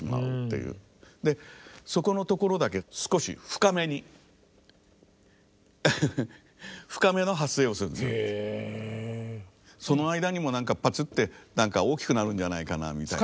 でそこのところだけ少しその間にも何かパツって大きくなるんじゃないかなみたいな。